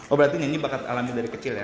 oh berarti nyanyi bakat alami dari kecil ya